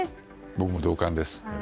僕も同感です。